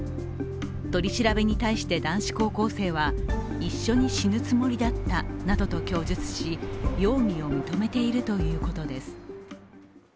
取り調べに対して男子高校生は一緒に死ぬつもりだったなどと供述し容疑を認めているということです。